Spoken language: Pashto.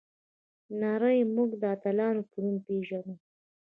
نړۍ موږ د اتلانو په نوم پیژني.